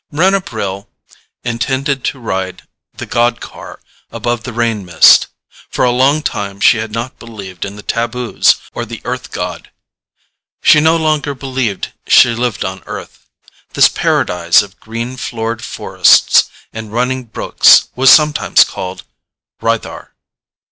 _ Illustrated by van Dongen Mryna Brill intended to ride the god car above the rain mist. For a long time she had not believed in the taboos or the Earth god. She no longer believed she lived on Earth. This paradise of green floored forests and running brooks was something called Rythar.